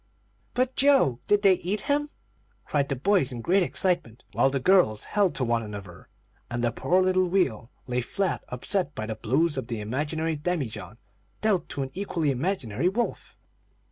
"But Joe did they eat him?" cried the boys in great excitement, while the girls held to one another, and the poor little wheel lay flat, upset by the blows of the imaginary demijohn, dealt to an equally imaginary wolf.